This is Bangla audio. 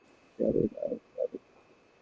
জানি না মানে কী?